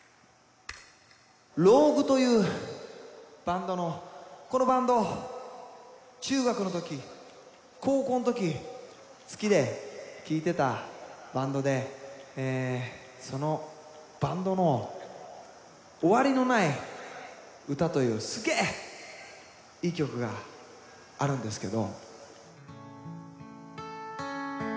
ＲＯＧＵＥというバンドのこのバンド中学の時高校の時好きで聴いてたバンドでそのバンドの「終わりのない歌」というすげえいい曲があるんですけど。